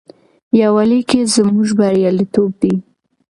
یووالي کې زموږ بریالیتوب دی.